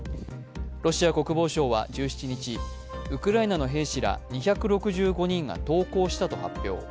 ロシア国防省は１７日、ウクライナの兵士ら２６５人が投稿したと発表。